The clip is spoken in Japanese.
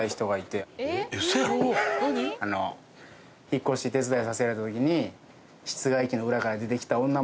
引っ越し手伝いさせられたときに室外機の裏から出てきた女物の歯ブラシの人じゃない。